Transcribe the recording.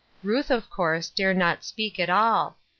Ruth, of course, dare not speak at all.